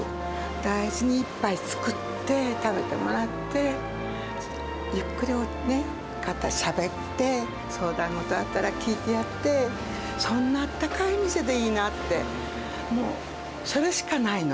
大事にいっぱい作って、食べてもらって、ゆっくり、しゃべって、相談事があったら聞いてやって、そんなあったかい店でいいなって。